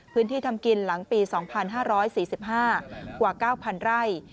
พื้นที่ทำกินหลังปี๒๕๔๕กว่า๙๐๐๐ไร่